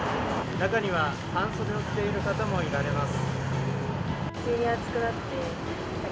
中には半袖を着ている方も見られます。